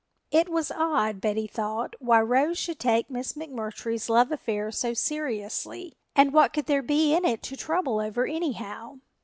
It was odd, Betty thought, why Rose should take Miss McMurtry's love affair so seriously and what could there be in it to trouble over, anyhow?